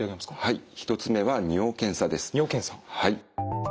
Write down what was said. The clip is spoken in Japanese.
はい。